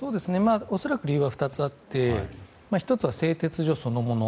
恐らく理由が２つあって１つは製鉄所そのもの。